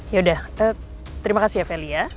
yaudah terima kasih ya feli ya